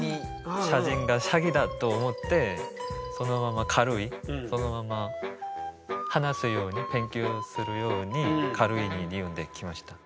写真は詐欺だと思ってそのまま軽いそのまま話すように勉強するように軽い理由で来ました。